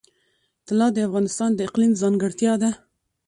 طلا د افغانستان د اقلیم ځانګړتیا ده.